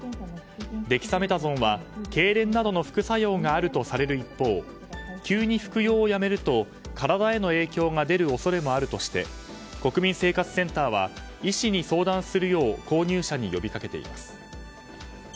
デキサメタゾンはけいれんなどの副作用があるとされる一方急に服用をやめると体への影響が出る恐れもあるとして国民生活センターは医師に相談するよう購入者に呼びかけています。